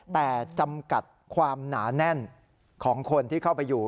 แต่จำกัดความหนาแน่นของคนที่เข้าไปอยู่